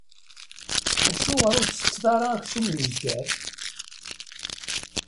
Acuɣer ur tsetteḍ ara aksum n uzger?